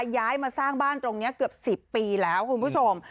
ย้ายมาสร้างบ้านตรงนี้เกือบ๑๐ปีแล้วคุณผู้ชม